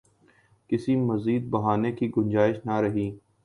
کسی مزید بہانے کی گنجائش نہ رہی۔